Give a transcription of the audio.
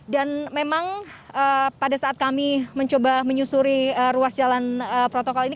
dan memang pada saat kami mencoba menyusuri ruas jalan protokol ini